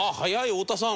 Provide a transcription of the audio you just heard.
太田さん